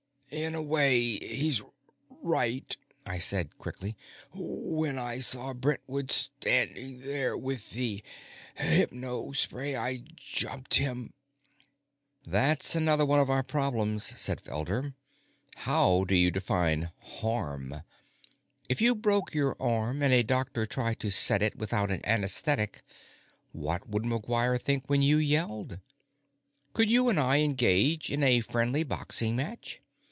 "In a way, he's right," I said quickly. "When I saw Brentwood standing there with the hypospray, I jumped him." "That's another one of our problems," said Felder. "How do you define 'harm'? If you broke your arm and a doctor tried to set it without an anesthetic, what would McGuire think when you yelled? Could you and I engage in a friendly boxing match?